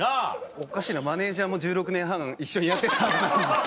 おかしいなマネジャーも１６年半一緒にやって来たはずなのに。